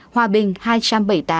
hòa bình hai trăm bảy mươi tám